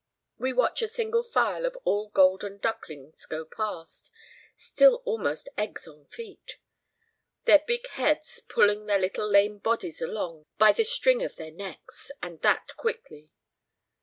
We watch a single file of all golden ducklings go past still almost eggs on feet their big heads pulling their little lame bodies along by the string of their necks, and that quickly.